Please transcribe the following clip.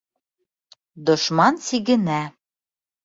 Дошман сигенә.